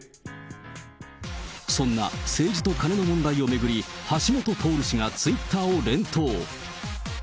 そんな政治とカネの問題を巡り、橋下徹氏がツイッターを連投。